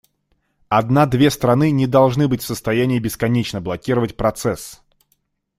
Одна−две страны не должны быть в состоянии бесконечно блокировать процесс".